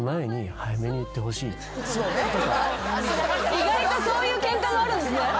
意外とそういうケンカもあるんですね。